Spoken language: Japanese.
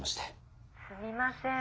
すみません